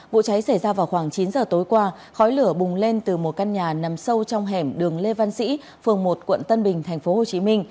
vụ cháy xảy ra vào khoảng chín giờ tối qua khói lửa bùng lên từ một căn nhà nằm sâu trong hẻm đường lê văn sĩ phường một quận tân bình tp hcm